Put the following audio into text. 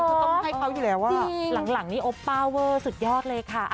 ก็ต้องให้เขาอยู่แล้วหลังนี้โอป้าเวอร์สุดยอดเลยค่ะ